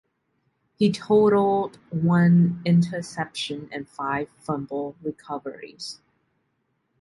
He totaled one interception and five fumble recoveries.